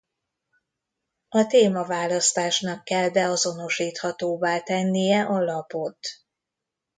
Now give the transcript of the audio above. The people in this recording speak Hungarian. A témaválasztásnak kell beazonosíthatóvá tennie a lapot.